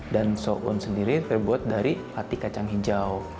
dan soun sendiri terbuat dari pati kacang hijau